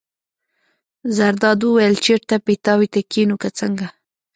زرداد وویل: چېرته پیتاوي ته کېنو که څنګه.